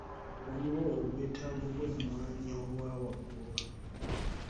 Waliwo obwetaavu bw'emmwanyi obwa waggulu.